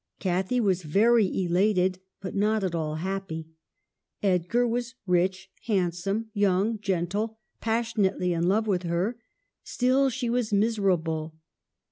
Cathy was very elated, but not at all happy. Edgar was rich, handsome, young, gentle, pas sionately in love with her ; still she was misera ble.